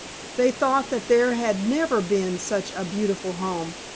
They thought that there never had been such a beautiful home.